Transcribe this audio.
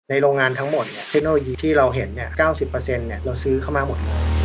โรงงานทั้งหมดเทคโนโลยีที่เราเห็น๙๐เราซื้อเข้ามาหมด